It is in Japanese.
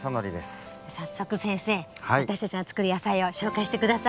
早速先生私たちが作る野菜を紹介して下さい。